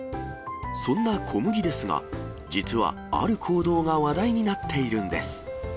そんなこむぎですが、実は、ある行動が話題になっているんです。